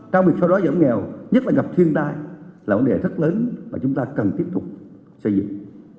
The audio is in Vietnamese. trong việc sau đó giảm nghèo nhất là gặp thiên tai là vấn đề rất lớn mà chúng ta cần tiếp tục xây dựng